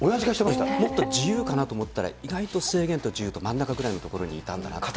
もっと自由かなと思ったら、制限と自由と真ん中のところにいたんだなと。